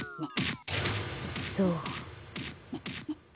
そう。